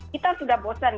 kita sudah bosen